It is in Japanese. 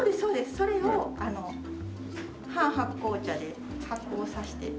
それを半発酵茶で発酵させて。